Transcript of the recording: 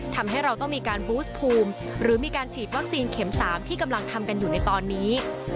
ทำให้เราต้องมีการบูสภูมิหรือมีการฉีดวัคซีนเข็ม๓ที่กำลังทำกันอยู่ในตอนนี้